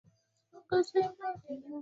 Hata hivyo mtandao wa lonely planet unasema